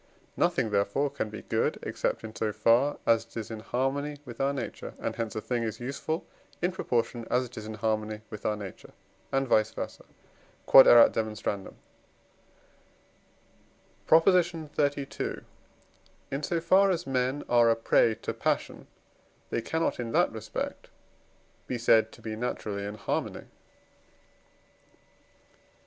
Nothing, therefore, can be good, except in so far as it is in harmony with our nature; and hence a thing is useful, in proportion as it is in harmony with our nature, and vice versâ. Q.E.D. PROP. XXXII. In so far as men are a prey to passion, they cannot, in that respect, be said to be naturally in harmony.